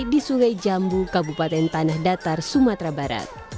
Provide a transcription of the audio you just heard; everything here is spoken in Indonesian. di sungai jambu kabupaten tanah datar sumatera barat